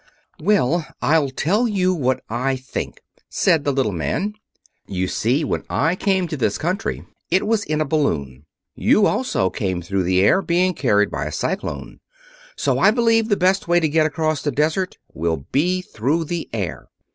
"Well, I'll tell you what I think," said the little man. "You see, when I came to this country it was in a balloon. You also came through the air, being carried by a cyclone. So I believe the best way to get across the desert will be through the air.